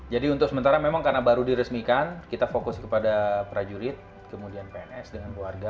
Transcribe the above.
jadi untuk sementara memang karena baru diresmikan kita fokus kepada prajurit kemudian pns dengan keluarga